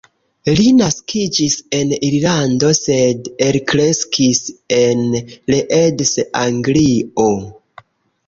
Li naskiĝis en Irlando, sed elkreskis en Leeds, Anglio.